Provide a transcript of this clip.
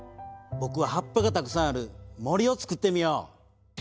ぼくは葉っぱがたくさんある森をつくってみよう。